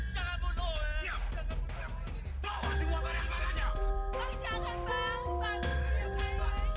kemarin yang sudah sudah lempar